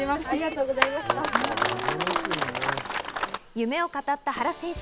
夢を語った原選手。